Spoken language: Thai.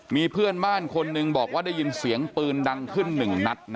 มีเพื่อนบ้านคนหนึ่งบอกว่าได้ยินเสียงปืนดังขึ้นหนึ่งนัด